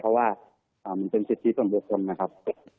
เพราะว่ามันเป็นที่ส่วนเบียดพร้อมนะครับ